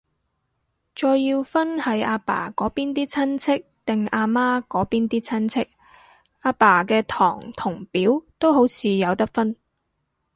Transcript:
再要分係阿爸嗰邊啲親戚，定阿媽嗰邊啲親戚，阿爸嘅堂同表都好似有得分